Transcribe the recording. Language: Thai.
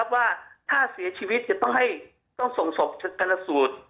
ว่าถ้าเสียชีวิตจะต้องให้ต้องส่งศพกรรณสูตร